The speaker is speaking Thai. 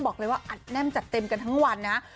บอกเลยว่าอัดแน่นจัดเต็มกันทั้งวันนะฮะ